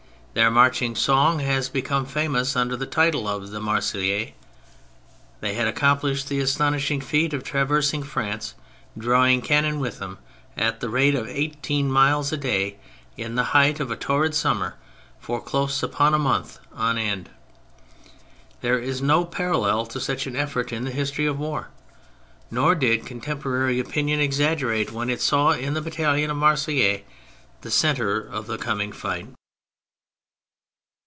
Their marching song has become famous under the title of the *' Marseillaise." They had accomplished the astonishing feat of traversing France, drawing cannon with them, at the rate of eighteen miles a day, in the height of a torrid summer, for close upon a month on end. There is no parallel to such an effort in the history of war, nor did contemporary opinion exaggerate when it saw in the battalion of Marseilles the centre of the coming fight.